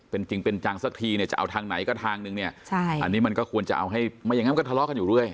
เป็นจริงเป็นจังสักทีจะเอาทางไหนก็ทางหนึ่งอันนี้มันก็ควรจะเอาให้ไม่อย่างนั้นก็ทะเลาะกันอยู่ด้วย